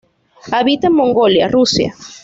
Habita en Mongolia, Rusia.